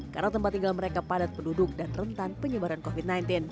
karena tempat tinggal mereka padat penduduk dan rentan penyebaran covid sembilan belas